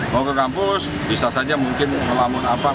mau ke kampus bisa saja mungkin melamun apa